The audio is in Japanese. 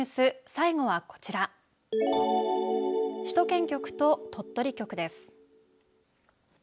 最後はこちら首都圏局と鳥取局です。